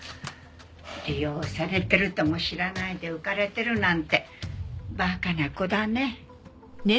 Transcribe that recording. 利用されてるとも知らないで浮かれてるなんて馬鹿な子だね。